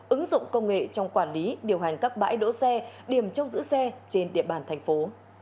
ứng dụng công nghệ trong quản lý điều hành các bãi đỗ xe điểm trong giữ xe trên địa bàn thành phố